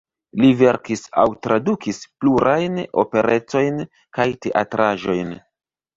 Li verkis aŭ tradukis plurajn operetojn kaj teatraĵojn.